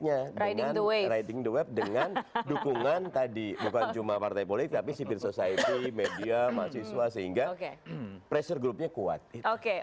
namanya kilometer rise